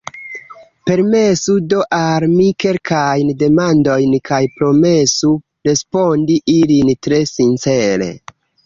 Permesu do al mi kelkajn demandojn kaj promesu respondi ilin tre sincere.